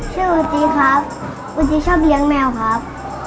ชื่อคุณจีครับคุณจีชอบเลี้ยงแมวครับ